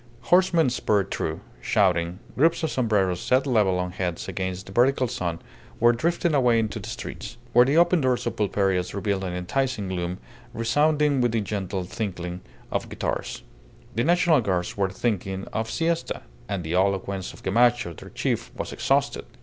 Horsemen spurred through, shouting; groups of sombreros set level on heads against the vertical sun were drifting away into the streets, where the open doors of pulperias revealed an enticing gloom resounding with the gentle tinkling of guitars. The National Guards were thinking of siesta, and the eloquence of Gamacho, their chief, was exhausted.